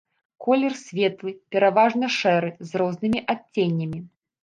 Колер светлы, пераважна шэры, з рознымі адценнямі.